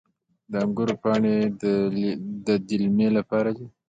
د انګورو پاڼې د دلمې لپاره دي.